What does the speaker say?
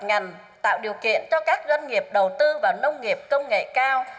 ngành tạo điều kiện cho các doanh nghiệp đầu tư vào nông nghiệp công nghệ cao